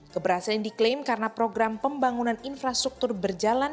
keberhasilan diklaim karena program pembangunan infrastruktur berjalan